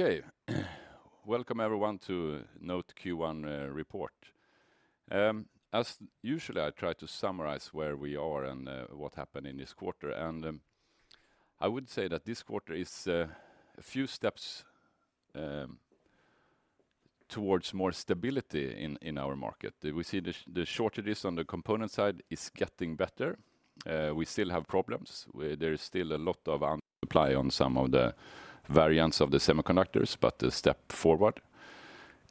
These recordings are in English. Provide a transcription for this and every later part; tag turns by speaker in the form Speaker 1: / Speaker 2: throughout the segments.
Speaker 1: Okay. Welcome everyone to NOTE Q1 Report. As usually, I try to summarize where we are and what happened in this quarter. I would say that this quarter is a few steps towards more stability in our market. We see the shortages on the component side is getting better. We still have problems there is still a lot of un-supply on some of the variants of the semiconductors, but a step forward.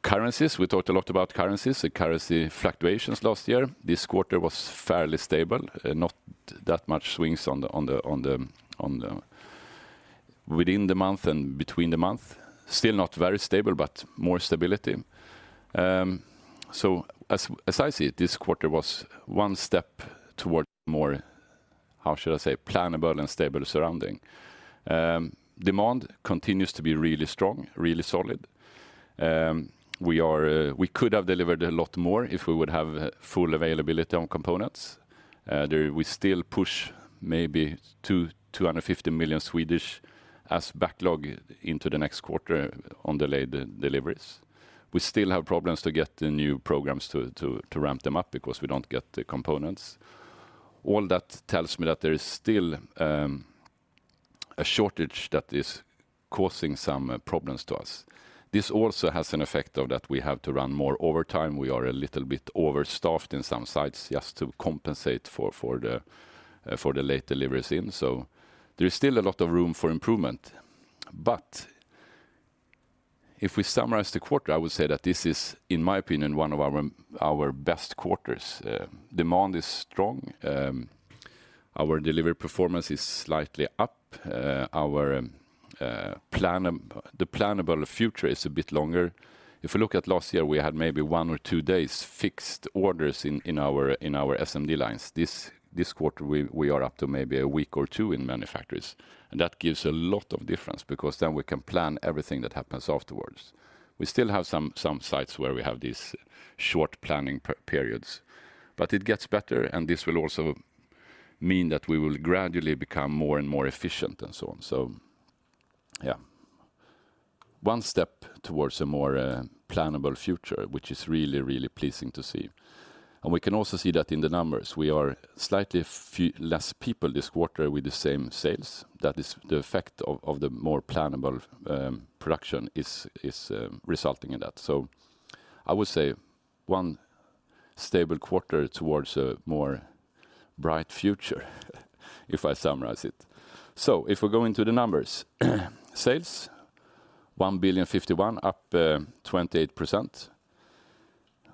Speaker 1: Currencies, we talked a lot about currencies, the currency fluctuations last year. This quarter was fairly stable, not that much swings on the within the month and between the month. Still not very stable, but more stability. As I see it, this quarter was one step towards more, how should I say, plannable and stable surrounding. Demand continues to be really strong, really solid. We could have delivered a lot more if we would have full availability on components. There we still push maybe 250 million as backlog into the next quarter on delayed deliveries. We still have problems to get the new programs to ramp them up because we don't get the components. All that tells me that there is still a shortage that is causing some problems to us. This also has an effect of that we have to run more overtime. We are a little bit overstaffed in some sites just to compensate for the late deliveries in. There is still a lot of room for improvement. If we summarize the quarter, I would say that this is, in my opinion, one of our best quarters. Demand is strong, our delivery performance is slightly up. Our plannable future is a bit longer. If you look at last year, we had maybe one or two days fixed orders in our SMD lines. This quarter, we are up to maybe one or two weeks in manufacturers, and that gives a lot of difference because then we can plan everything that happens afterwards. We still have some sites where we have these short planning per-periods, but it gets better, and this will also mean that we will gradually become more and more efficient and so on. One step towards a more plannable future, which is really pleasing to see. We can also see that in the numbers, we are slightly few less people this quarter with the same sales. That is the effect of the more plannable production is resulting in that. I would say one stable quarter towards a more bright future, if I summarize it. If we go into the numbers, sales, 1.051 billion, up 28%.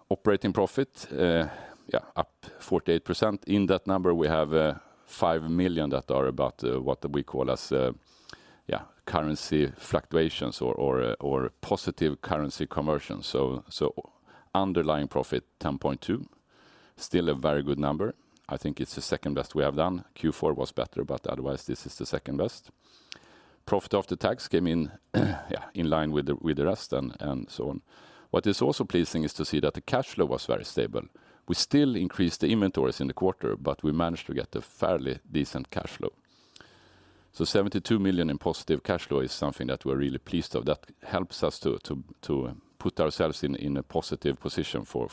Speaker 1: Operating profit, up 48%. In that number, we have 5 million that are about what we call as currency fluctuations or positive currency conversion. Underlying profit, 10.2 million. Still a very good number. I think it's the second best we have done. Q4 was better, but otherwise, this is the second best. Profit after tax came in line with the rest and so on. What is also pleasing is to see that the cash flow was very stable. We still increased the inventories in the quarter, but we managed to get a fairly decent cash flow. 72 million in positive cash flow is something that we're really pleased of. That helps us to put ourselves in a positive position for,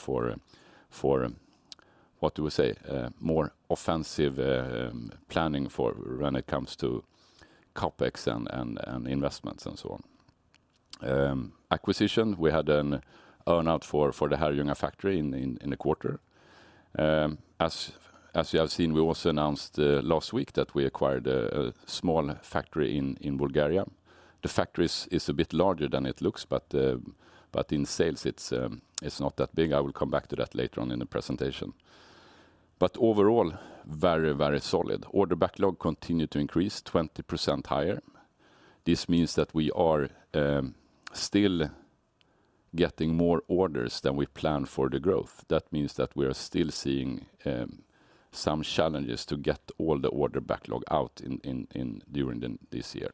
Speaker 1: what do we say? More offensive planning for when it comes to CapEx and investments and so on. Acquisition, we had an earn out for the Herrljunga factory in the quarter. As you have seen, we also announced last week that we acquired a small factory in Bulgaria. The factory is a bit larger than it looks, but in sales, it's not that big. I will come back to that later on in the presentation. Overall, very solid. Order backlog continued to increase 20% higher. This means that we are still getting more orders than we plan for the growth. This means that we are still seeing some challenges to get all the order backlog out in during this year.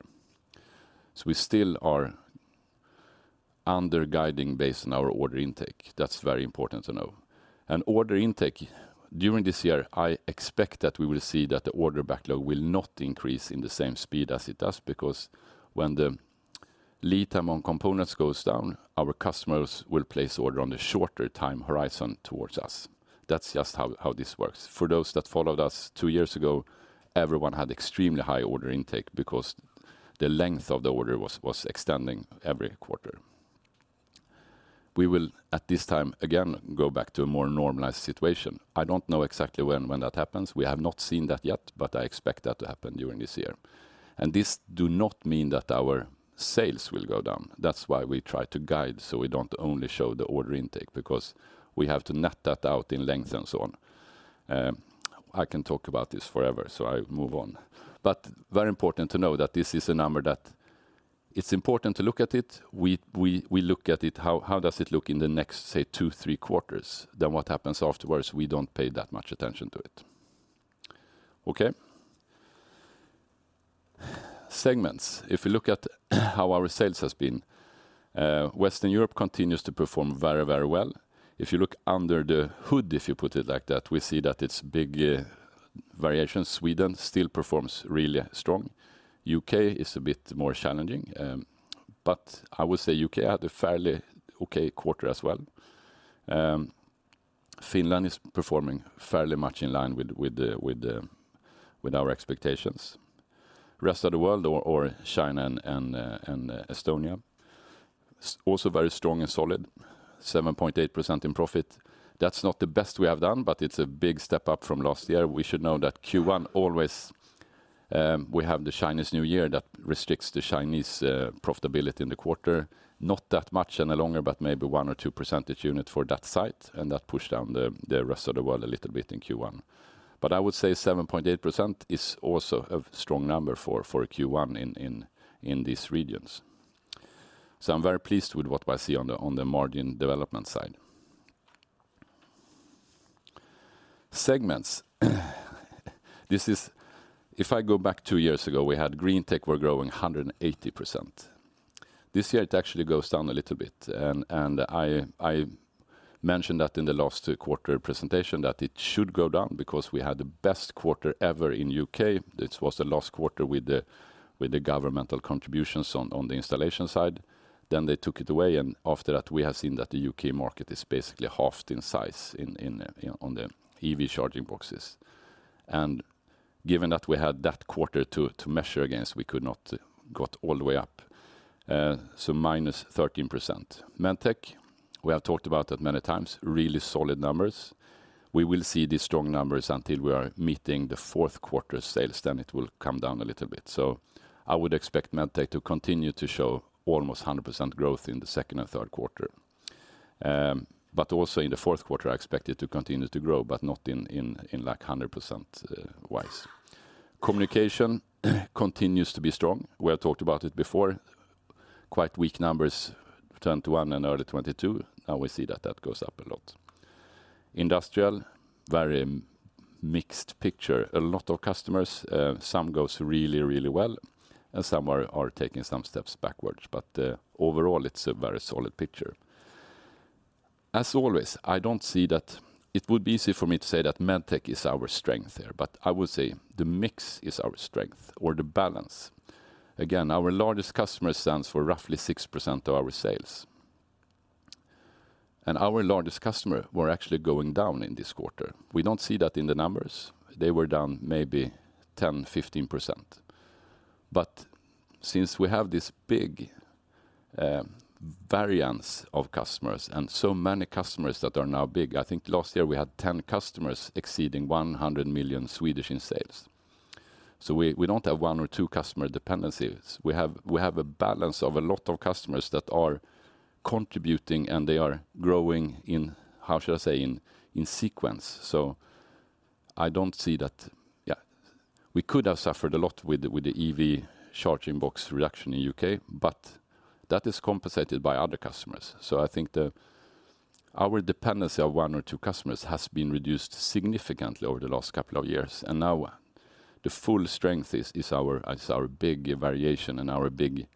Speaker 1: We still are under guiding based on our order intake. That's very important to know. Order intake during this year, I expect that we will see that the order backlog will not increase in the same speed as it does, because when the lead time on components goes down, our customers will place order on a shorter time horizon towards us. That's just how this works. For those that followed us two years ago, everyone had extremely high order intake because the length of the order was extending every quarter. We will, at this time, again, go back to a more normalized situation. I don't know exactly when that happens. We have not seen that yet, but I expect that to happen during this year. This do not mean that our sales will go down. That's why we try to guide, so we don't only show the order intake because we have to net that out in length and so on. I can talk about this forever, so I move on. Very important to know that this is a number that it's important to look at it. We look at it, how does it look in the next, say, two, three quarters. What happens afterwards, we don't pay that much attention to it. Okay. Segments. If you look at how our sales has been, Western Europe continues to perform very, very well. If you look under the hood, if you put it like that, we see that it's big variation. Sweden still performs really strong. U.K. is a bit more challenging, but I would say U.K. had a fairly okay quarter as well. Finland is performing fairly much in line with our expectations. Rest of the world or China and Estonia also very strong and solid, 7.8% in profit. That's not the best we have done, but it's a big step up from last year. We should know that Q1 always, we have the Chinese New Year that restricts the Chinese profitability in the quarter, not that much any longer, but maybe 1% or 2% units for that site, that pushed down the rest of the world a little bit in Q1. I would say 7.8% is also a strong number for Q1 in these regions. I'm very pleased with what I see on the margin development side. Segments. If I go back two years ago, we had Greentech were growing 180%. This year, it actually goes down a little bit, I mentioned that in the last quarter presentation that it should go down because we had the best quarter ever in U.K. It was the last quarter with the governmental contributions on the installation side. They took it away, after that, we have seen that the U.K. market is basically halved in size in the, you know, on the EV charging boxes. Given that we had that quarter to measure against, we could not got all the way up. So -13%. Medtech, we have talked about that many times, really solid numbers. We will see these strong numbers until we are meeting the fourth quarter sales, then it will come down a little bit. I would expect Medtech to continue to show almost 100% growth in the second and third quarter. Also in the fourth quarter, I expect it to continue to grow, but not in like 100% wise. Communication continues to be strong. We have talked about it before. Quite weak numbers, 2021 and early 2022. Now we see that that goes up a lot. Industrial, very mixed picture. A lot of customers, some goes really, really well, and some are taking some steps backwards. Overall, it's a very solid picture. As always, I don't see that it would be easy for me to say that Medtech is our strength here, but I would say the mix is our strength or the balance. Again, our largest customer stands for roughly 6% of our sales. Our largest customer were actually going down in this quarter. We don't see that in the numbers. They were down maybe 10%-15%. We have this big variance of customers and so many customers that are now big, I think last year we had 10 customers exceeding 100 million in sales. We don't have one or two customer dependencies. We have a balance of a lot of customers that are contributing, and they are growing in, how should I say, in sequence. I don't see that, yeah. We could have suffered a lot with the EV charging box reduction in U.K., but that is compensated by other customers. I think our dependency of one or two customers has been reduced significantly over the last couple of years. The full strength is our big variation and our big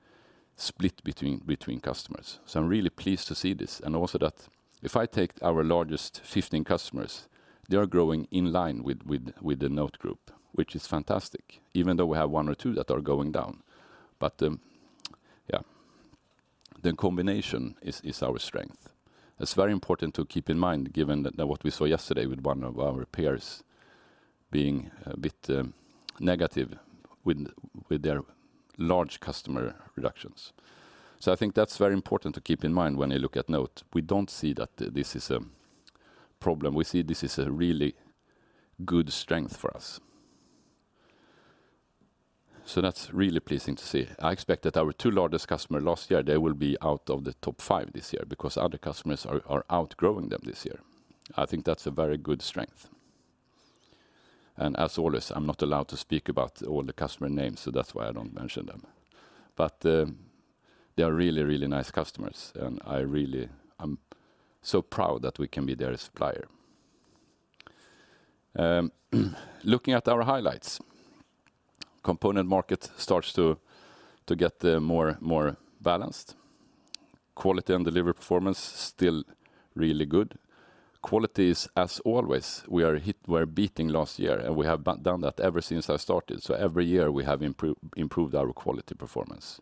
Speaker 1: split between customers. I'm really pleased to see this, and also that if I take our largest 15 customers, they are growing in line with the NOTE group, which is fantastic, even though we have one or two that are going down. Yeah, the combination is our strength. It's very important to keep in mind given that what we saw yesterday with one of our peers being a bit negative with their large customer reductions. I think that's very important to keep in mind when you look at NOTE. We don't see that this is a problem. We see this is a really good strength for us. That's really pleasing to see. I expect that our two largest customer last year, they will be out of the top five this year because other customers are outgrowing them this year. I think that's a very good strength. as always, I'm not allowed to speak about all the customer names, so that's why I don't mention them. they are really, really nice customers, and I really am so proud that we can be their supplier. Looking at our highlights. Component market starts to get more balanced. Quality and delivery performance still really good. Quality is as always, we're beating last year, and we have done that ever since I started. Every year, we have improved our quality performance.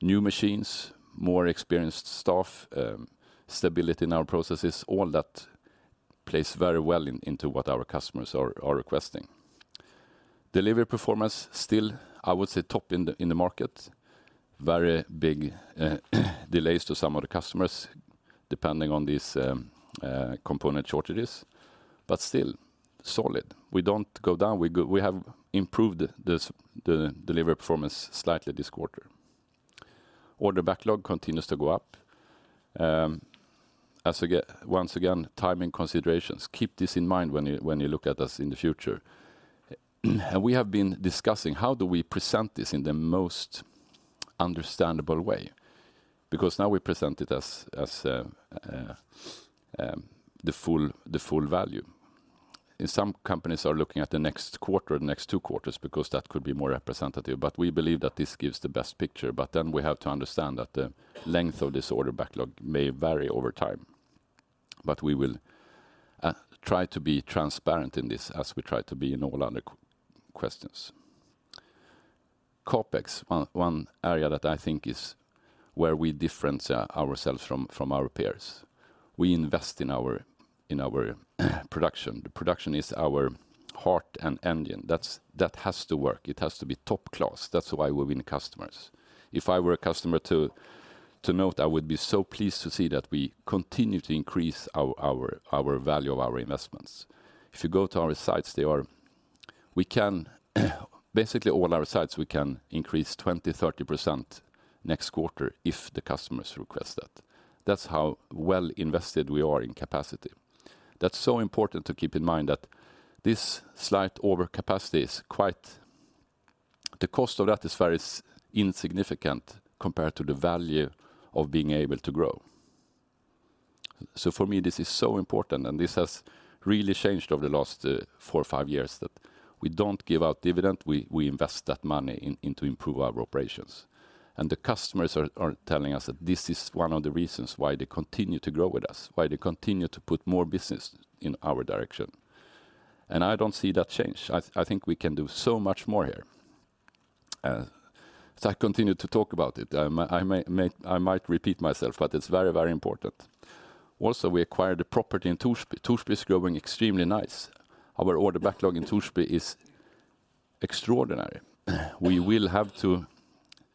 Speaker 1: New machines, more experienced staff, stability in our processes, all that plays very well into what our customers are requesting. Delivery performance still, I would say, top in the market. Very big delays to some of the customers, depending on these component shortages, but still solid. We don't go down. We have improved this, the delivery performance slightly this quarter. Order backlog continues to go up. Once again, timing considerations. Keep this in mind when you, when you look at us in the future. We have been discussing how do we present this in the most understandable way? Because now we present it as the full value. Some companies are looking at the next quarter or the next two quarters because that could be more representative. We believe that this gives the best picture, then we have to understand that the length of this order backlog may vary over time. We will try to be transparent in this as we try to be in all other questions. CapEx, one area that I think is where we differentiate ourself from our peers. We invest in our production. The production is our heart and engine. That has to work. It has to be top class. That's why we win the customers. If I were a customer to NOTE, I would be so pleased to see that we continue to increase our value of our investments. If you go to our sites, they are. We can, basically all our sites, we can increase 20%, 30% next quarter if the customers request that. That's how well invested we are in capacity. That's so important to keep in mind that this slight overcapacity is quite. The cost of that is very insignificant compared to the value of being able to grow. For me, this is so important, and this has really changed over the last four or five years that we don't give out dividend. We invest that money in to improve our operations. The customers are telling us that this is one of the reasons why they continue to grow with us, why they continue to put more business in our direction. I don't see that change. I think we can do so much more here. As I continue to talk about it, I might repeat myself, but it's very, very important. Also, we acquired the property in Torsby. Torsby is growing extremely nice. Our order backlog in Torsby is extraordinary. We will have to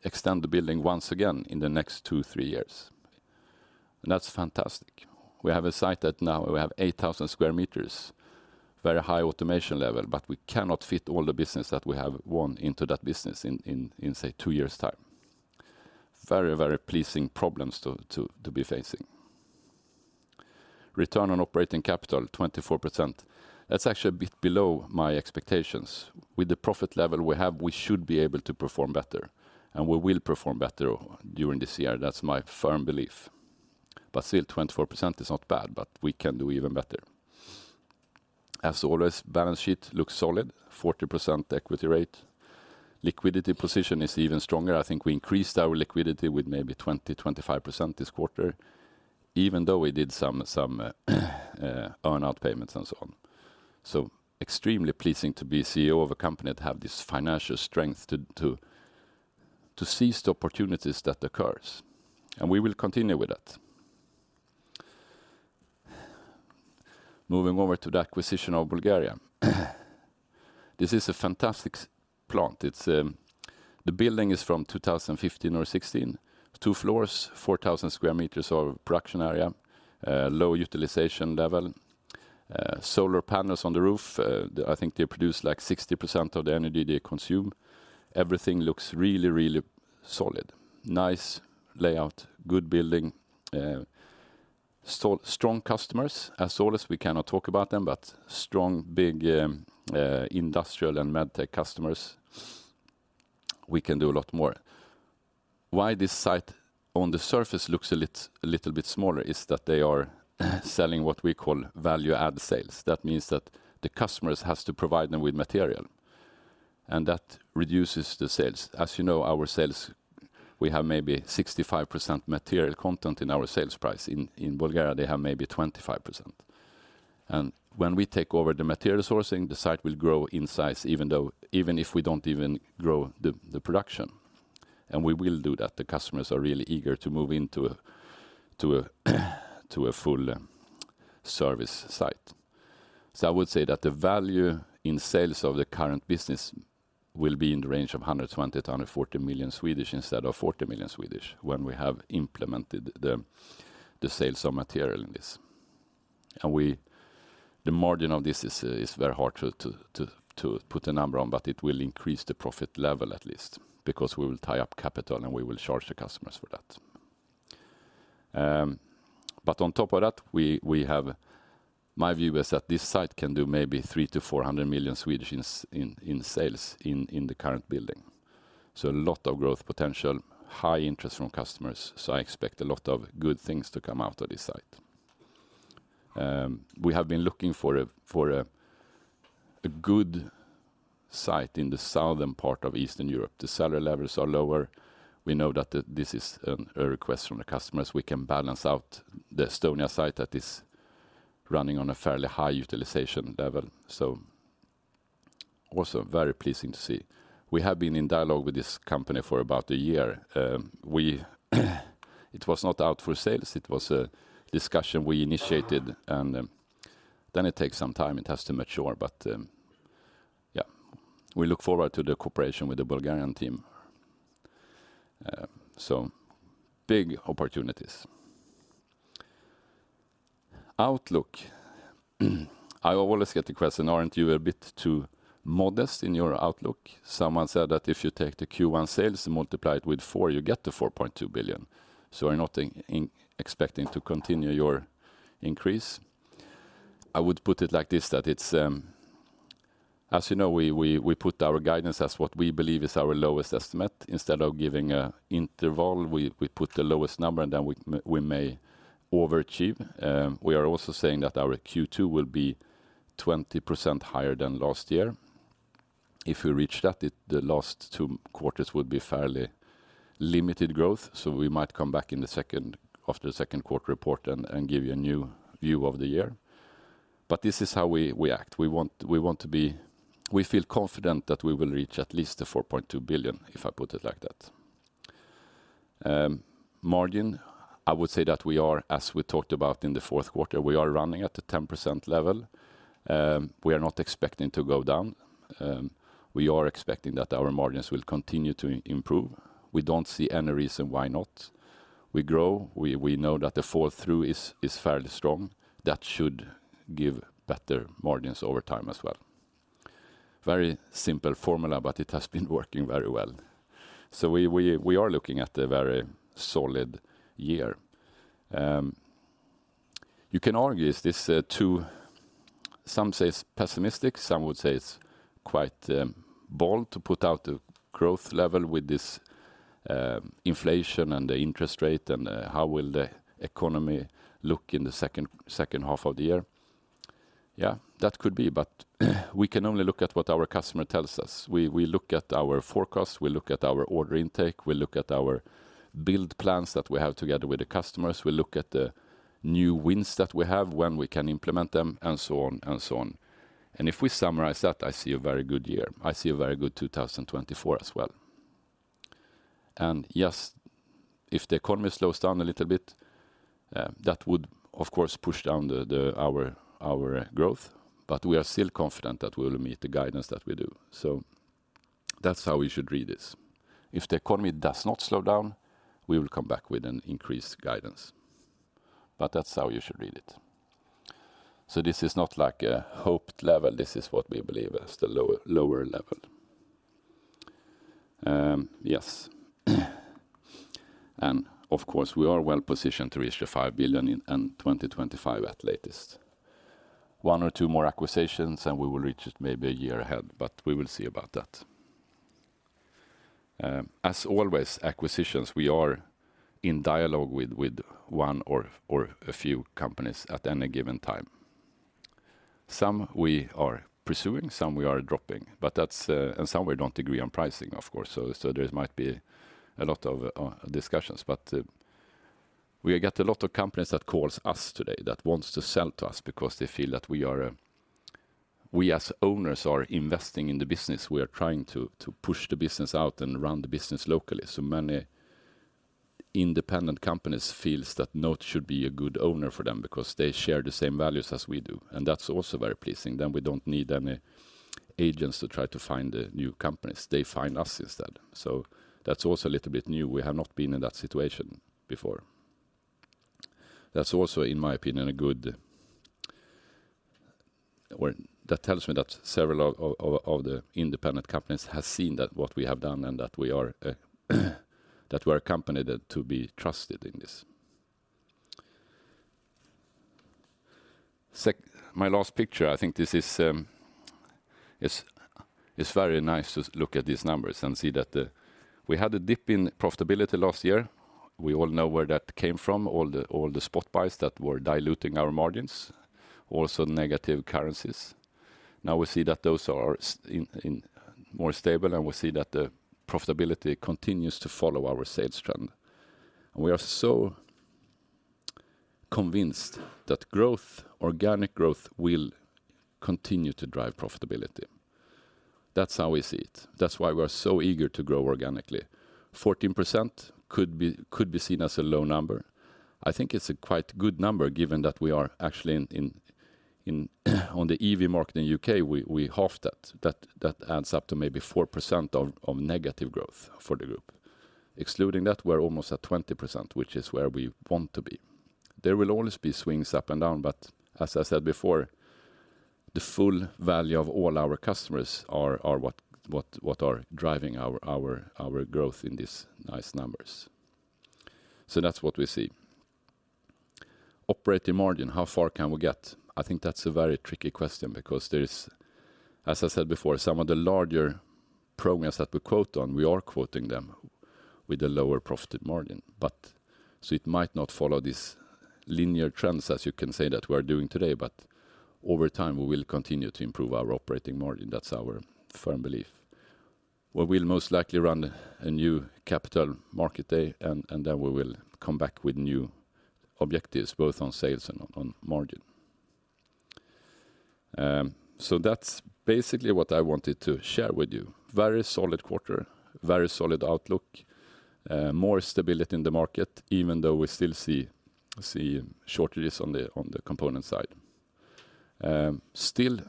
Speaker 1: extend the building once again in the next two, three years. That's fantastic. We have a site that now we have 8,000 sq m, very high automation level, but we cannot fit all the business that we have won into that business in say, two years' time. Very pleasing problems to be facing. Return on operating capital, 24%. That's actually a bit below my expectations. With the profit level we have, we should be able to perform better, and we will perform better during this year. That's my firm belief. Still, 24% is not bad, but we can do even better. As always, balance sheet looks solid, 40% equity rate. Liquidity position is even stronger. I think we increased our liquidity with maybe 20%-25% this quarter, even though we did some earn-out payments and so on. Extremely pleasing to be CEO of a company that have this financial strength to seize the opportunities that occurs. We will continue with that. Moving over to the acquisition of Bulgaria. This is a fantastic plant. It's the building is from 2015 or 2016, two floors, 4,000 sq m of production area, low utilization level, solar panels on the roof. I think they produce like 60% of the energy they consume. Everything looks really, really solid. Nice layout, good building, strong customers. As always, we cannot talk about them, but strong, big Industrial and Medtech customers. We can do a lot more. Why this site on the surface looks a little bit smaller is that they are selling what we call value-add sales. That means that the customers has to provide them with material, and that reduces the sales. As you know, our sales, we have maybe 65% material content in our sales price. In Bulgaria, they have maybe 25%. When we take over the material sourcing, the site will grow in size, even if we don't even grow the production. We will do that. The customers are really eager to move into a full service site. I would say that the value in sales of the current business will be in the range of 120 million-140 million instead of 40 million when we have implemented the sales of material in this. The margin of this is very hard to put a number on, but it will increase the profit level at least because we will tie up capital, and we will charge the customers for that. On top of that, my view is that this site can do maybe 300 million-400 million in sales in the current building. A lot of growth potential, high interest from customers. I expect a lot of good things to come out of this site. We have been looking for a good site in the southern part of Eastern Europe. The salary levels are lower. We know that this is a request from the customers. We can balance out the Estonia site that is running on a fairly high utilization level. Also very pleasing to see. We have been in dialogue with this company for about a year. It was not out for sales. It was a discussion we initiated, it takes some time. It has to mature. We look forward to the cooperation with the Bulgarian team. Big opportunities. Outlook. I always get the question, aren't you a bit too modest in your outlook? Someone said that if you take the Q1 sales and multiply it with four, you get the 4.2 billion. You're not expecting to continue your increase. I would put it like this, that it's, as you know, we put our guidance as what we believe is our lowest estimate. Instead of giving a interval, we put the lowest number, and then we may overachieve. We are also saying that our Q2 will be 20% higher than last year. If we reach that, the last two quarters would be fairly limited growth, so we might come back in the second, after the second quarter report and give you a new view of the year. This is how we act. We want to be. We feel confident that we will reach at least 4.2 billion, if I put it like that. Margin, I would say that we are, as we talked about in the fourth quarter, we are running at the 10% level. We are not expecting to go down. We are expecting that our margins will continue to improve. We don't see any reason why not. We grow. We know that the fall through is fairly strong. That should give better margins over time as well. Very simple formula, but it has been working very well. We are looking at a very solid year. You can argue is this too, some say it's pessimistic, some would say it's quite bold to put out the growth level with this inflation and the interest rate, and how will the economy look in the second half of the year? Yeah, that could be, but we can only look at what our customer tells us. We look at our forecasts, we look at our order intake, we look at our build plans that we have together with the customers. We look at the new wins that we have, when we can implement them, and so on, and so on. If we summarize that, I see a very good year. I see a very good 2024 as well. Yes, if the economy slows down a little bit, that would, of course, push down our growth, but we are still confident that we'll meet the guidance that we do. That's how we should read this. If the economy does not slow down, we will come back with an increased guidance, but that's how you should read it. This is not like a hoped level. This is what we believe is the lower level. Yes. Of course, we are well-positioned to reach the 5 billion in 2025 at latest. One or two more acquisitions, and we will reach it maybe a year ahead, but we will see about that. As always, acquisitions, we are in dialogue with one or a few companies at any given time. Some we are pursuing, some we are dropping, but that's, and some we don't agree on pricing, of course. There might be a lot of discussions. We got a lot of companies that calls us today that wants to sell to us because they feel that we are, we as owners are investing in the business. We are trying to push the business out and run the business locally. Many independent companies feels that Note should be a good owner for them because they share the same values as we do, and that's also very pleasing. We don't need any agents to try to find the new companies. They find us instead. That's also a little bit new. We have not been in that situation before. That tells me that several of the independent companies has seen that what we have done and that we are that we're a company that to be trusted in this. My last picture, I think this is, it's very nice to look at these numbers and see that we had a dip in profitability last year. We all know where that came from, all the spot buys that were diluting our margins, also negative currencies. Now we see that those are in more stable, and we see that the profitability continues to follow our sales trend. We are so convinced that growth, organic growth will continue to drive profitability. That's how we see it. That's why we're so eager to grow organically. 14% could be, could be seen as a low number. I think it's a quite good number given that we are actually on the EV market in UK, we half that. That adds up to maybe 4% of negative growth for the group. Excluding that, we're almost at 20%, which is where we want to be. There will always be swings up and down, but as I said before, the full value of all our customers are what are driving our growth in these nice numbers. That's what we see. Operating margin, how far can we get? I think that's a very tricky question because there is, as I said before, some of the larger programs that we quote on, we are quoting them with a lower profited margin. It might not follow these linear trends, as you can say, that we are doing today, but over time, we will continue to improve our operating margin. That's our firm belief. We will most likely run a new Capital Markets Day, and then we will come back with new objectives, both on sales and on margin. That's basically what I wanted to share with you. Very solid quarter, very solid outlook, more stability in the market, even though we still see shortages on the component side. Still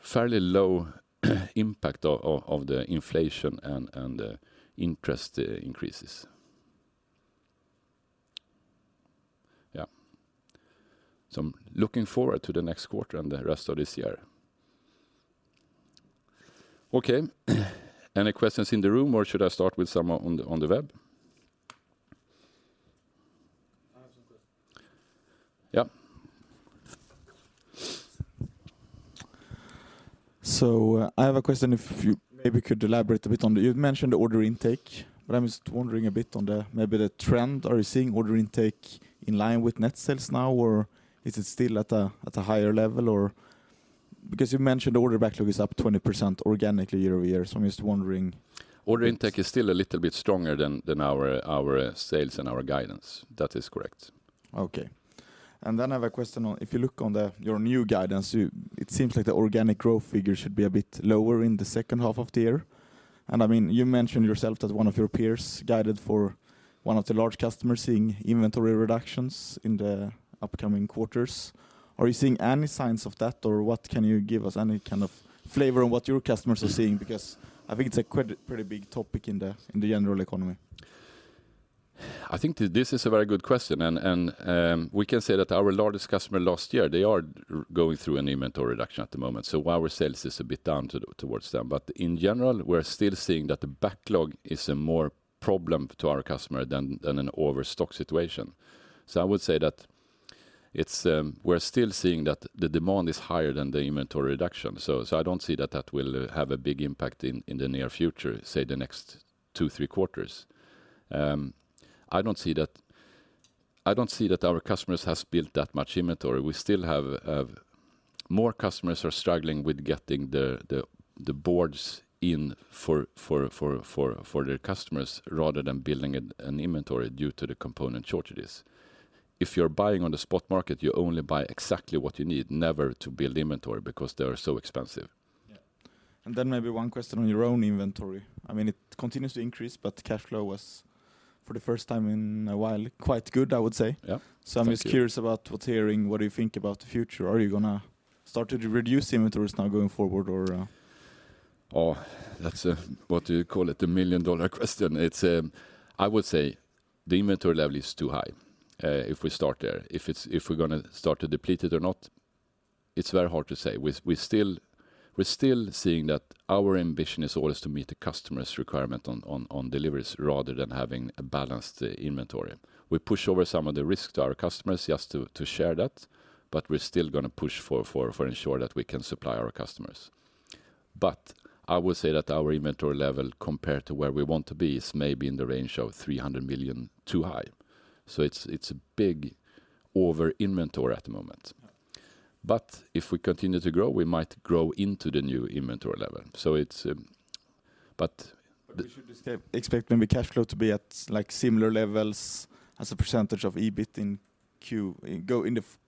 Speaker 1: fairly low impact of the inflation and the interest increases. Yeah. I'm looking forward to the next quarter and the rest of this year. Okay. Any questions in the room, or should I start with some on the web? Yeah.
Speaker 2: I have a question if you maybe could elaborate a bit on the, you'd mentioned order intake, but I'm just wondering a bit on the, maybe the trend. Are you seeing order intake in line with net sales now, or is it still at a higher level or? You mentioned order backlog is up 20% organically year-over-year so I was wondering.
Speaker 1: Order intake is still a little bit stronger than our sales and our guidance. That is correct.
Speaker 2: Okay. I have a question on if you look on the, your new guidance, it seems like the organic growth figure should be a bit lower in the second half of the year. I mean, you mentioned yourself that one of your peers guided for one of the large customers seeing inventory reductions in the upcoming quarters. Are you seeing any signs of that, or what can you give us any kind of flavor on what your customers are seeing? I think it's a quite, pretty big topic in the, in the general economy.
Speaker 1: I think this is a very good question, and we can say that our largest customer last year, they are going through an inventory reduction at the moment. Our sales is a bit down towards them. In general, we're still seeing that the backlog is a more problem to our customer than an overstock situation. I would say that it's, we're still seeing that the demand is higher than the inventory reduction. I don't see that that will have a big impact in the near future, say, the next two, three quarters. I don't see that our customers has built that much inventory. We still have more customers are struggling with getting the boards in for their customers rather than building an inventory due to the component shortages. If you're buying on the spot market, you only buy exactly what you need, never to build inventory because they are so expensive.
Speaker 2: Yeah. Then maybe one question on your own inventory. I mean, it continues to increase, but cash flow was, for the first time in a while, quite good, I would say.
Speaker 1: Yeah. Thank you.
Speaker 2: I'm just curious about what hearing, what do you think about the future? Are you gonna start to reduce inventories now going forward or?
Speaker 1: That's a, what do you call it? The million-dollar question. It's, I would say the inventory level is too high, if we start there. If we're gonna start to deplete it or not, it's very hard to say. We're still seeing that our ambition is always to meet the customer's requirement on deliveries rather than having a balanced inventory. We push over some of the risk to our customers just to share that, we're still gonna push for ensure that we can supply our customers. I would say that our inventory level compared to where we want to be is maybe in the range of 300 million too high. It's a big over-inventory at the moment. If we continue to grow, we might grow into the new inventory level.
Speaker 2: We should expect maybe cash flow to be at like similar levels as a percentage of EBIT in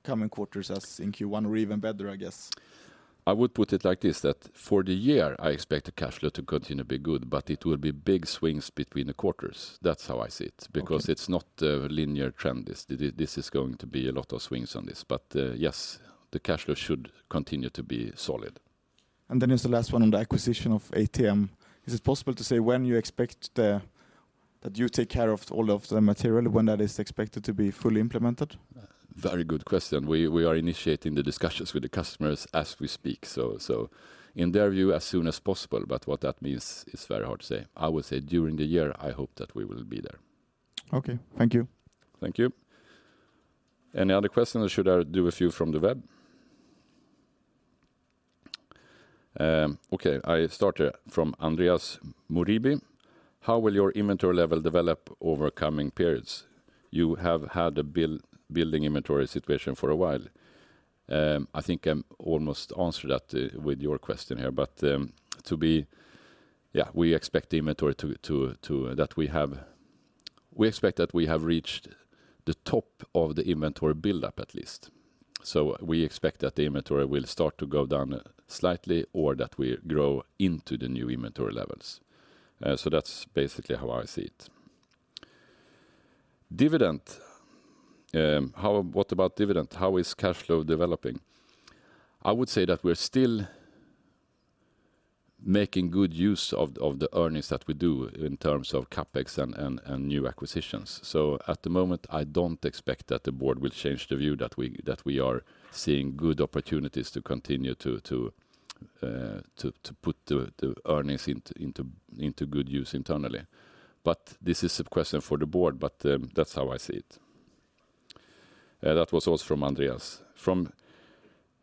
Speaker 2: coming quarters as in Q1 or even better, I guess?
Speaker 1: I would put it like this, that for the year, I expect the cash flow to continue to be good, but it will be big swings between the quarters. That's how I see it because it's not a linear trend. This, this is going to be a lot of swings on this. Yes, the cash flow should continue to be solid.
Speaker 2: Just the last one on the acquisition of ATM. Is it possible to say when you expect that you take care of all of the material, when that is expected to be fully implemented?
Speaker 1: Very good question. We are initiating the discussions with the customers as we speak. In their view, as soon as possible, but what that means is very hard to say. I would say during the year, I hope that we will be there.
Speaker 2: Okay. Thank you.
Speaker 1: Thank you. Any other questions, or should I do a few from the web? Okay. I start from Andreas Moribi. How will your inventory level develop over coming periods? You have had a build-in inventory situation for a while. I think I almost answered that with your question here. Yeah, we expect the inventory to, we expect that we have reached the top of the inventory buildup, at least. We expect that the inventory will start to go down slightly or that we grow into the new inventory levels. That's basically how I see it. Dividend. What about dividend? How is cash flow developing? I would say that we're still making good use of the earnings that we do in terms of CapEx and new acquisitions. At the moment, I don't expect that the board will change the view that we are seeing good opportunities to continue to put the earnings into good use internally. This is a question for the board, but, that's how I see it. That was also from Andreas. From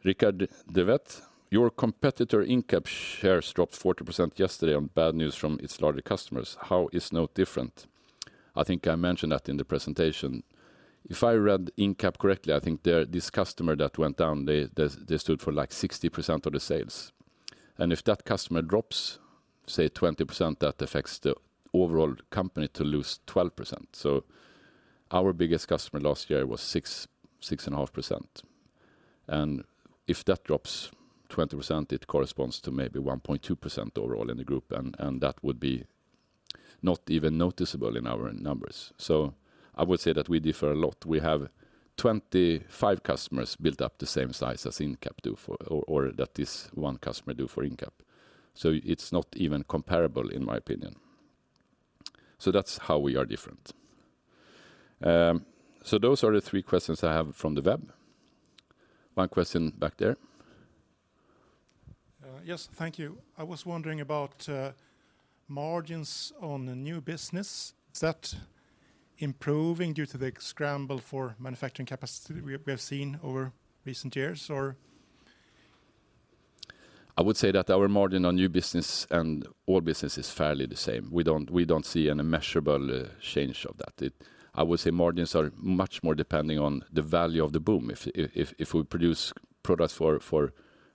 Speaker 1: [Rickard Derret], your competitor Incap shares dropped 40% yesterday on bad news from its larger customers. How is NOTE different? I think I mentioned that in the presentation. If I read Incap correctly, I think their this customer that went down, they stood for like 60% of the sales. If that customer drops, say, 20%, that affects the overall company to lose 12%. Our biggest customer last year was 6.5%. If that drops 20%, it corresponds to maybe 1.2% overall in the group, and that would be not even noticeable in our numbers. I would say that we differ a lot. We have 25 customers built up the same size as Incap do for or that this one customer do for Incap. It's not even comparable, in my opinion. That's how we are different. Those are the three questions I have from the web. One question back there.
Speaker 3: Yes. Thank you. I was wondering about margins on the new business. Is that improving due to the scramble for manufacturing capacity we have, we have seen over recent years or?
Speaker 1: I would say that our margin on new business and all business is fairly the same. We don't see any measurable change of that. I would say margins are much more depending on the value of the BOM. If we produce products for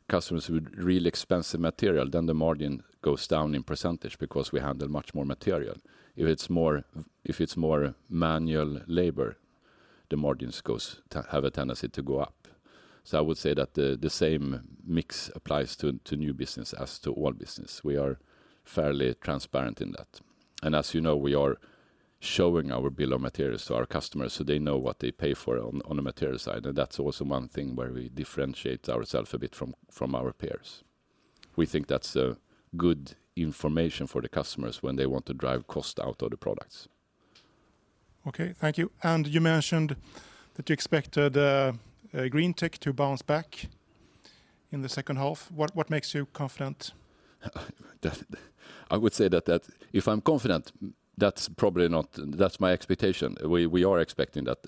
Speaker 1: customers with really expensive material, then the margin goes down in percentage because we handle much more material. If it's more manual labor, the margins have a tendency to go up. I would say that the same mix applies to new business as to all business. We are fairly transparent in that. As you know, we are showing our bill of materials to our customers, so they know what they pay for on a material side. That's also one thing where we differentiate ourself a bit from our peers. We think that's a good information for the customers when they want to drive cost out of the products.
Speaker 3: Okay, thank you. You mentioned that you expected, Greentech to bounce back in the second half. What makes you confident?
Speaker 1: I would say that if I'm confident, that's probably not that's my expectation. We are expecting that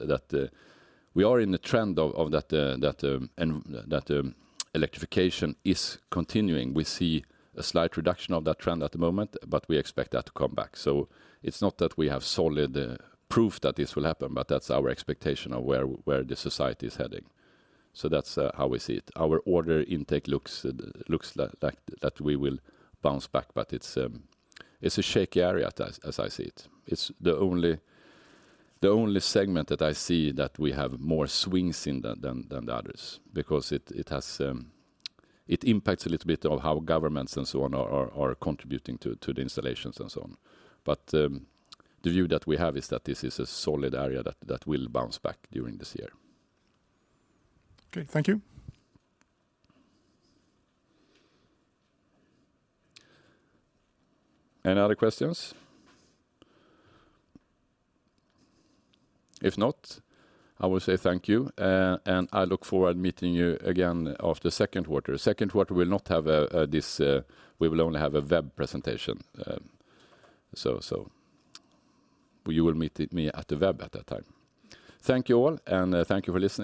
Speaker 1: electrification is continuing. We see a slight reduction of that trend at the moment, but we expect that to come back. It's not that we have solid proof that this will happen, but that's our expectation of where the society is heading. That's how we see it. Our order intake looks like that we will bounce back, but it's a shaky area as I see it. It's the only segment that I see that we have more swings in than the others because it has. It impacts a little bit of how governments and so on are contributing to the installations and so on. The view that we have is that this is a solid area that will bounce back during this year.
Speaker 3: Okay, thank you.
Speaker 1: Any other questions? If not, I will say thank you, and I look forward meeting you again after second quarter. Second quarter, we'll not have a. We will only have a web presentation, so you will meet with me at the web at that time. Thank you all, and thank you for listening.